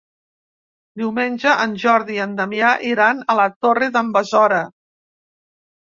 Diumenge en Jordi i en Damià iran a la Torre d'en Besora.